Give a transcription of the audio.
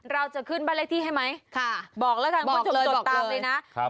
เราจะขึ้นบ้านเลขที่ให้ไหมบอกแล้วค่ะคุณชมจดตามเลยนะบอกเลย